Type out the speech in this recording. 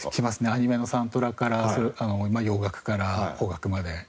アニメのサントラから洋楽から邦楽まで。